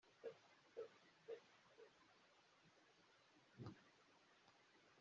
Big Fizzo w’i Burundi